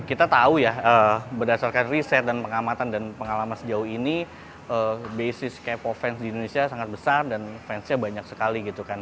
kita tahu ya berdasarkan riset dan pengamatan dan pengalaman sejauh ini basis k ponse di indonesia sangat besar dan fansnya banyak sekali gitu kan